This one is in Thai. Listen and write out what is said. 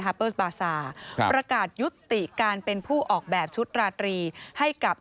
เฮอร์พอสบาร์ซาครับประกาศยุฤติการเป็นผู้ออกแบบชุดราธรีให้กับ